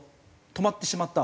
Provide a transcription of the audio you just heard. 止まってしまった。